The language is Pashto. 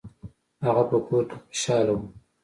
هغه په کور کې خوشحاله و.